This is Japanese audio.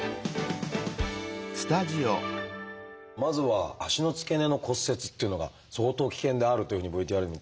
まずは足の付け根の骨折っていうのが相当危険であるというふうにＶＴＲでも言ってましたが。